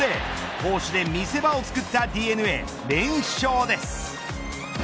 攻守で見せ場をつくったＤｅＮＡ連勝です。